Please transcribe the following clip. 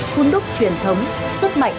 hun đúc truyền thống sức mạnh